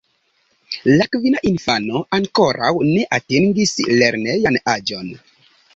La kvina infano ankoraŭ ne atingis lernejan aĝon.